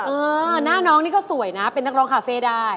หน้าน้องนี่ก็สวยนะเป็นนักร้องคาเฟ่ได้